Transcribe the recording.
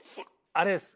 あれです。